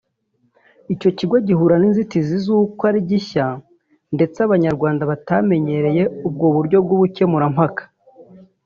Icyo kigo gihura n’inzitizi z’uko ari gishya ndetse Abanyarwanda batamenyereye ubwo buryo bw’ubukemurampaka